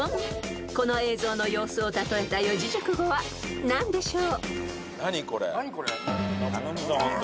［この映像の様子を例えた四字熟語は何でしょう］